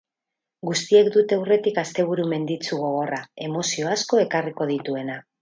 Guztiek dute aurretik asteburu menditsu gogorra, emozio asko ekarriko dituena.